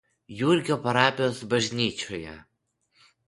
Jurgio parapijos bažnyčioje.